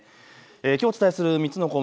きょうお伝えする３つの項目